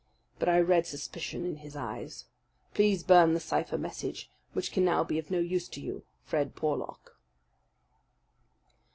But I read suspicion in his eyes. Please burn the cipher message, which can now be of no use to you. "FRED PORLOCK."